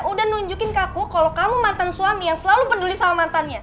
udah nunjukin ke aku kalau kamu mantan suami yang selalu peduli sama mantannya